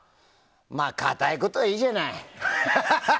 堅いことはいいじゃない！